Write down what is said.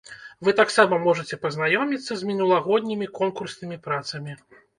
Вы таксама можаце пазнаёміцца з мінулагоднімі конкурснымі працамі.